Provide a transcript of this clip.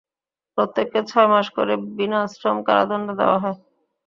প্রত্যেককে ছয় মাস করে বিনাশ্রম কারাদণ্ড দেওয়া হয়।